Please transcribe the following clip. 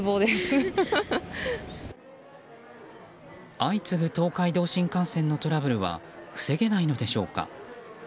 相次ぐ東海道新幹線のトラブルは防げないのでしょうか。